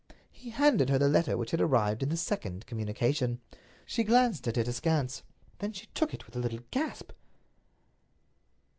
He handed her the letter which had arrived in the second communication. She glanced at it, askance. Then she took it with a little gasp.